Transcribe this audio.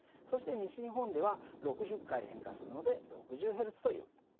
そして西日本では６０回変化するので６０Ｈｚという。